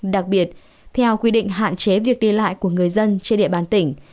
đặc biệt theo quy định hạn chế việc đi lại của người dân trên địa bàn tỉnh